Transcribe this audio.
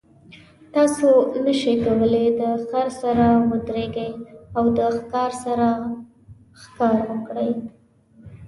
تاسو نشئ کولی د خر سره ودریږئ او د ښکار سره ښکار وکړئ.